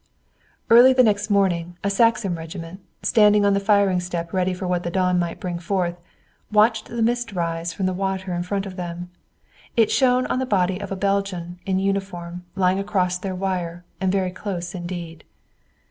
Early the next morning a Saxon regiment, standing on the firing step ready for what the dawn might bring forth, watched the mist rise from the water in front of them. It shone on a body in a Belgian uniform, lying across their wire, and very close indeed.